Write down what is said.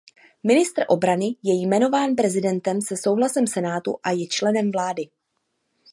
Ministr obrany je jmenován prezidentem se souhlasem Senátu a je členem vlády.